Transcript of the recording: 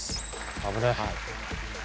危ない。